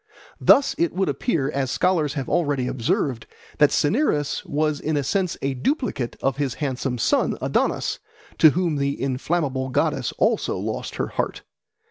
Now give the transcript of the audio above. Thus it would appear, as scholars have already observed, that Cinyras was in a sense a duplicate of his handsome son Adonis, to whom the inflammable goddess also lost her heart.